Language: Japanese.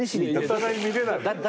お互い見れないんだ。